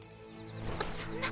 そんな！